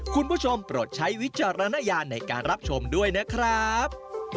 โปรดใช้วิจารณญาณในการรับชมด้วยนะครับ